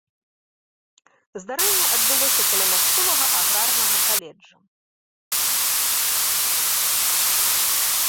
Здарэнне адбылося каля мясцовага аграрнага каледжа.